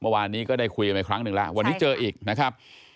เมื่อวานนี้ก็ได้คุยกันไปครั้งหนึ่งแล้ววันนี้เจออีกนะครับ